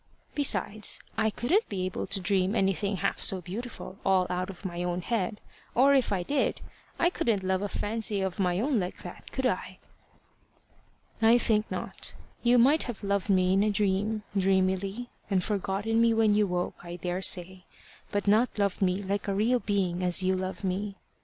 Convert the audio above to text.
Besides, I couldn't be able to dream anything half so beautiful all out of my own head; or if I did, I couldn't love a fancy of my own like that, could I?" "I think not. You might have loved me in a dream, dreamily, and forgotten me when you woke, I daresay, but not loved me like a real being as you love me.